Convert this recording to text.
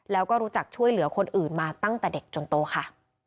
แล้วก็รู้จักช่วยเหลือคนอื่นมาตั้งแต่เด็กจนโตค่ะ